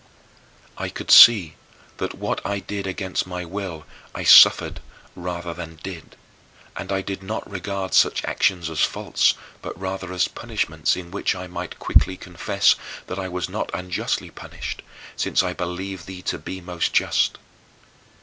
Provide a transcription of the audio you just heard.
I could see that what I did against my will I suffered rather than did; and I did not regard such actions as faults, but rather as punishments in which I might quickly confess that I was not unjustly punished, since I believed thee to be most just.